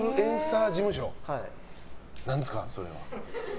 何ですか、それは。